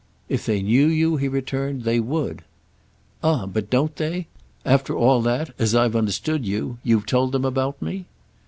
"If they knew you," he returned, "they would." "Ah but don't they?—after all that, as I've understood you you've told them about me?"